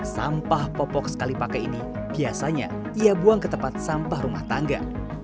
sampah popok sekali pakai ini biasanya ia buang ke tempat sampah rumah tangga